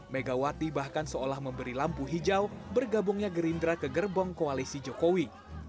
megawati bahkan seolah memberi lampu hijau bergabungnya gerindra ke gerbong koalisi jokowi